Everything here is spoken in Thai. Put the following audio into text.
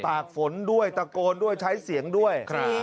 กฝนด้วยตะโกนด้วยใช้เสียงด้วย